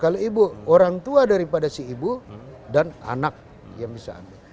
kalau ibu orang tua daripada si ibu dan anak yang bisa ambil